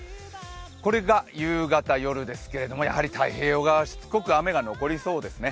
これが夕方夜ですけれどもやはり太平洋側、しつこく雨が残りそうですね